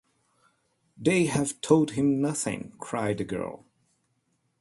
“They have told him nothing!” cried the girl.